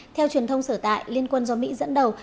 theo truyền thông sở tại liên quân do mỹ dẫn đầu